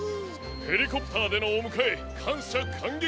ヘリコプターでのおむかえかんしゃかんげきです。